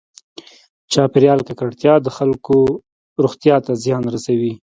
چاپېریال ککړتیا د خلکو روغتیا ته زیان رسوي.